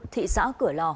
thị xã cửa lò